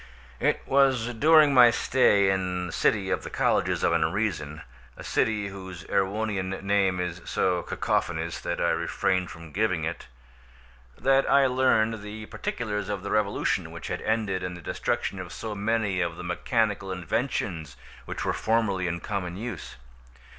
It was during my stay in City of the Colleges of Unreason—a city whose Erewhonian name is so cacophonous that I refrain from giving it—that I learned the particulars of the revolution which had ended in the destruction of so many of the mechanical inventions which were formerly in common use.